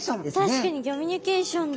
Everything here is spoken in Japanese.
確かにギョミュニケーションだ。